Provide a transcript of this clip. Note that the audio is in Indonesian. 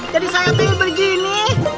jadi saya tuh yang bergini